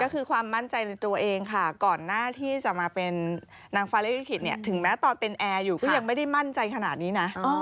ก็คือความมั่นใจในตัวเองค่ะก่อนหน้าที่จะมาเป็นนางฟาเลลิขิตเนี่ยถึงแม้ตอนเป็นแอร์อยู่ก็ยังไม่ได้มั่นใจขนาดนี้นะ